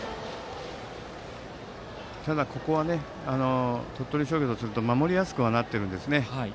ただ、ここは鳥取商業とすると守りやすくはなっていますね。